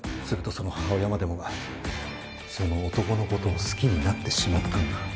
するとその母親までもがその男の事を好きになってしまったんだ。